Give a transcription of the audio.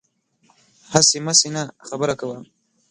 هسې مسې نه، خبره کوه